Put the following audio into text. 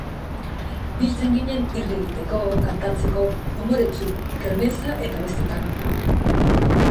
Biltzen ginen irri egiteko, kantatzeko, umoretsu, kermeza eta bestetan.